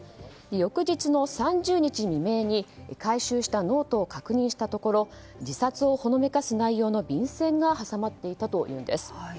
翌日の３０日未明に、回収したノートを確認したところ自殺をほのめかす内容に便箋が挟まっていたというんです。